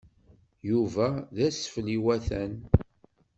Yuba d asfel iwatan.